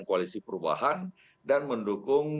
koalisi perubahan dan mendukung